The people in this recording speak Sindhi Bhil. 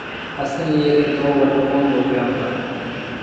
اسيٚݩٚ ايٚئي کي توٚݩ وٽ ڪون ڪوٺي آئو هآ۔